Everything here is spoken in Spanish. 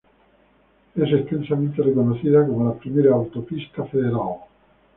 Es extensamente reconocida como la primera autopista federal.